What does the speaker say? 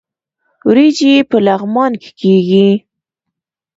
وریجې په لغمان کې کیږي